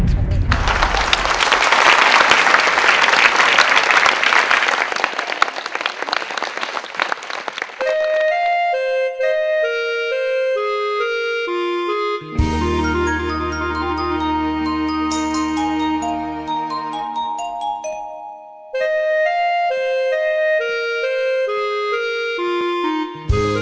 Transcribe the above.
ขอบคุณครับ